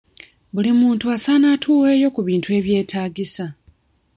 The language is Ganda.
Buli muntu asaana atuweeyo ku bintu ebyetaagisa.